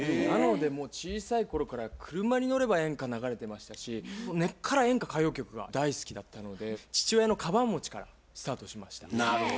なのでもう小さい頃から車に乗れば演歌流れてましたし根っから演歌・歌謡曲が大好きだったので父親のかばん持ちからスタートしました。